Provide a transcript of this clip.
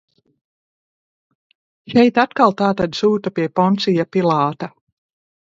Šeit atkal tātad sūta pie Poncija Pilāta.